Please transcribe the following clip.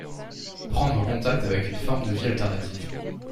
Prendre contact avec une forme de vie alternative.